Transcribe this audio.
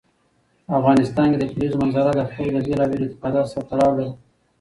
په افغانستان کې د کلیزو منظره د خلکو له بېلابېلو اعتقاداتو سره تړاو لري.